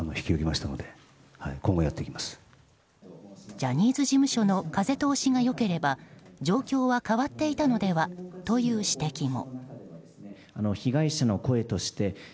ジャニーズ事務所の風通しが良ければ状況は変わっていたのではという指摘も。